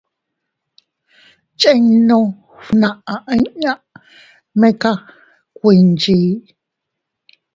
Chinnu fnaʼa inña meka kuinchii.